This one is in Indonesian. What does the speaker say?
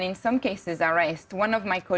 dan di beberapa hal penyakit